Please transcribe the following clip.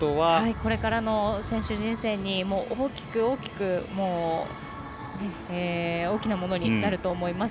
これからの選手人生に大きなものになると思います。